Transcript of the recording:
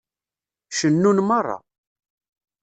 Cennun meṛṛa.